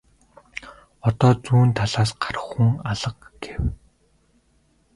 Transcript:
Одоо зүүн талаас гарах хүн алга гэв.